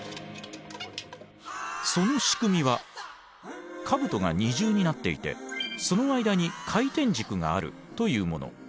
その仕組みは兜が二重になっていてその間に回転軸があるというもの。